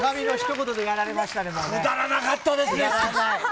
くだらなかったですね。